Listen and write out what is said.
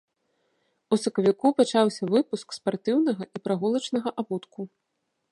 У сакавіку пачаўся выпуск спартыўнага і прагулачнага абутку.